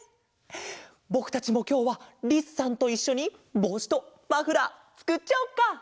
ぼくたちもきょうはリスさんといっしょにぼうしとマフラーつくっちゃおうか！